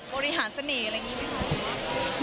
บริหารเสน่ห์อะไรอย่างนี้ไหมคะ